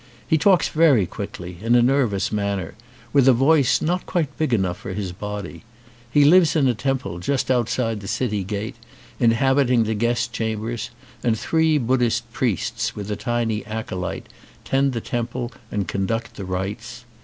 He talks very quickly, in a nervous manner, with a voice not quite big enough for his body. He lives in a temple just outside the city gate, inhabiting the guest chambers, and three Buddhist priests, with a tiny acolyte, tend the temple and conduct the rites.